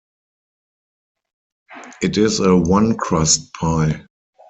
It is a one-crust pie.